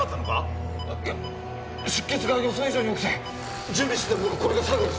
いや出血が予想以上に多くて準備してた分はこれで最後です。